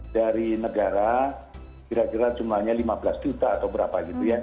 dari negara kira kira jumlahnya lima belas juta atau berapa gitu ya